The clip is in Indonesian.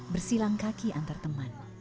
bersilang kaki antar teman